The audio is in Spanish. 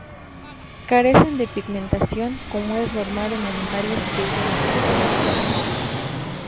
Carecen de pigmentación, como es normal en animales que viven apartados de la luz.